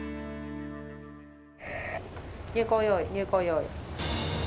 入港用意、入港用意。